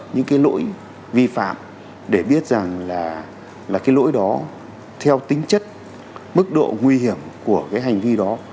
những cái lỗi vi phạm để biết rằng là cái lỗi đó theo tính chất mức độ nguy hiểm của cái hành vi đó